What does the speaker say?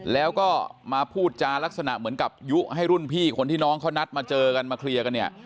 แล้วก็มาพูดจารักษณะเหมือนกับยุให้รุ่นพี่คนที่น้องเขานัดมาเจอกันมาเคลียร์กันเนี่ย